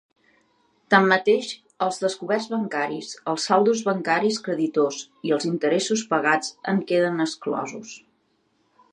Tanmateix, els descoberts bancaris, els saldos bancaris creditors i els interessos pagats en queden exclosos.